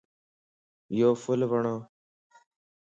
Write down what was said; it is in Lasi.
يو ڦل وڻھه